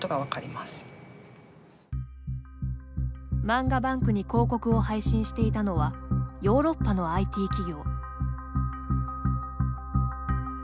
漫画ＢＡＮＫに広告を配信していたのはヨーロッパのＩＴ企業。